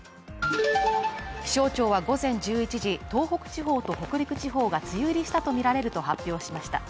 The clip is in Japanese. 気象庁は午前１１時、東北地方と北陸地方が梅雨入りしたとみられると発表しました。